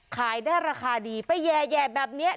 ขายได้ราคาดีเพราะแหย่แหย่แบบเนี้ย